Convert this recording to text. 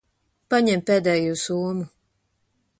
Paņem pēdējo somu.